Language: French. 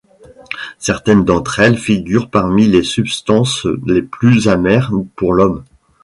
Certaines d'entre elles figurent parmi les substances les plus amères pour l'homme.